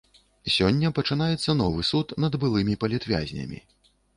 Сёння пачынаецца новы суд над былым палітвязням.